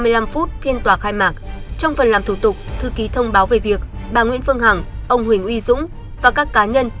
tám giờ ba mươi năm phút phiên tòa khai mạc trong phần làm thủ tục thư ký thông báo về việc bà nguyễn phương hằng ông huỳnh uy dũng và các cá nhân